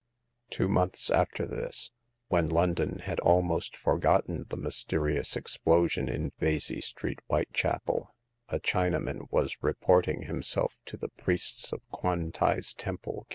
Two months after this, when London had al most forgotten the mysterious explosion in Vesey Street, Whitechapel, a Chinaman was reporting himself to the priests of Kwan tai's temple.